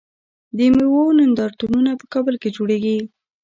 د میوو نندارتونونه په کابل کې جوړیږي.